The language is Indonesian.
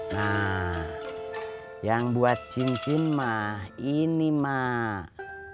nah yang buat cincin mah ini mak